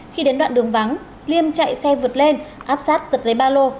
khi đến đoạn đường vắng liêm chạy xe vượt lên áp sát giật lấy ba lô